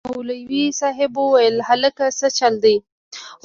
مولوي صاحب وويل هلکه سه چل دې.